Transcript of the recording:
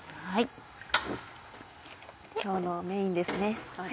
今日のメインですね。